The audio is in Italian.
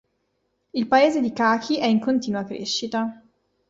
Il paese di Cachi è in continua crescita.